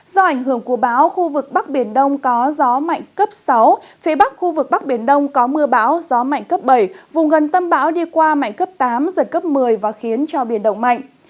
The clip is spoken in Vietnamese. do ảnh hưởng của báo khu vực bắc biển đông có gió mạnh cấp sáu phía bắc khu vực bắc biển đông có mưa bão gió mạnh cấp bảy vùng gần tâm bão đi qua mạnh cấp tám giật cấp một mươi và khiến cho biển động mạnh